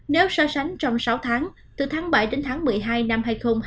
nếu so sánh trong sáu tháng từ tháng bảy đến tháng một mươi hai năm hai nghìn hai mươi